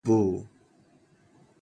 富